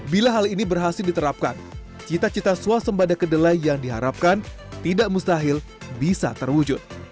bila hal ini berhasil diterapkan cita cita swasembada kedelai yang diharapkan tidak mustahil bisa terwujud